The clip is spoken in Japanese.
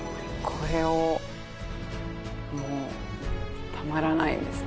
これをもうたまらないんです